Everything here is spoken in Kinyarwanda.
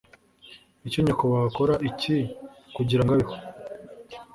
Icyo nyakubahwa akora iki kugirango abeho?